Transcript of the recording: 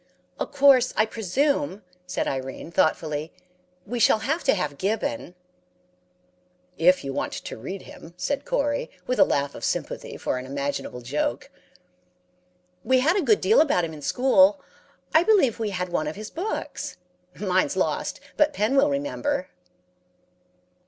"'Of course, I presume,' said Irene, thoughtfully, 'we shall have to have Gibbon.' "'If you want to read him,' said Corey, with a laugh of sympathy for an imaginable joke. "'We had a good deal about him in school. I believe we had one of his books. Mine's lost, but Pen will remember.'